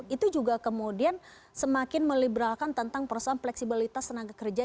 itu juga kemudian semakin meliberalkan tentang persoalan fleksibilitas tenaga kerja